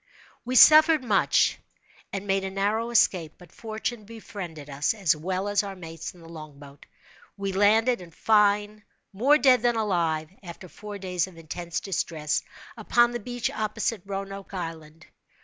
We suffered much, and made a narrow escape; but fortune befriended us, as well as our mates in the long boat. We landed, in fine, more dead than alive, after four days of intense distress, upon the beach opposite Roanoke Island.